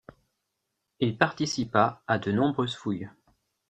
Il participa à de nombreuses fouilles.